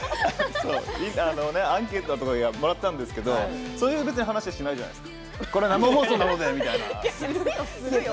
アンケートをもらったんですけれどそういう話は別にしないじゃないですか。